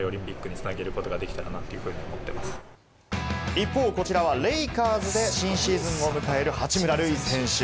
一方、こちらはレイカーズで新シーズンを迎える八村塁選手。